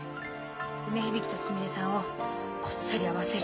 梅響とすみれさんをこっそり会わせる。